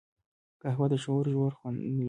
قهوه د شعور ژور خوند لري